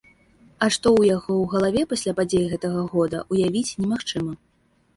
А што ў яго ў галаве пасля падзей гэта года, ўявіць немагчыма!